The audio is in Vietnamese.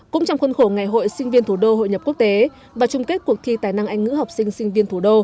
cũng trong khuôn khổ ngày hội sinh viên thủ đô hội nhập quốc tế và trung kết cuộc thi tài năng anh ngữ học sinh sinh viên thủ đô